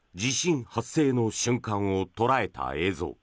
これは地震発生の瞬間を捉えた映像。